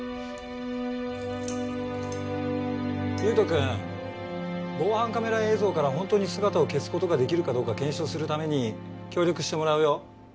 悠斗くん防犯カメラ映像から本当に姿を消す事ができるかどうか検証するために協力してもらうよ。